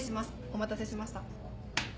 お待たせしました。